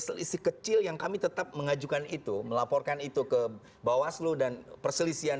selisih kecil yang kami tetap mengajukan itu melaporkan itu ke bawaslu dan perselisihan